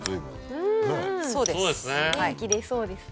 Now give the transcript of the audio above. そうです。